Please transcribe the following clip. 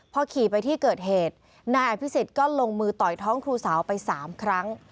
พอขี่ไปที่เกิดเหตุนายอภิษฎก็ลงมือต่อยท้องครูสาวไป๓ครั้ง